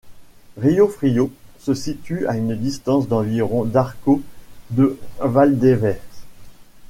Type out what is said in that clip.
Rio Frio se situe à une distance d'environ d'Arcos de Valdevez.